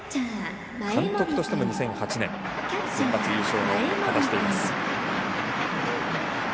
監督としても２００８年にセンバツ優勝を果たしています。